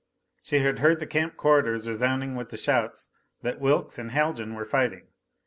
She had heard the camp corridors resounding with the shouts that Wilks and Haljan were fighting.